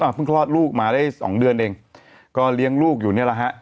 เพิ่งคลอดลูกมาได้สองเดือนเองก็เลี้ยงลูกอยู่นี่แหละฮะ